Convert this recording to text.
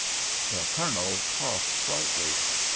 The Colonel coughed slightly.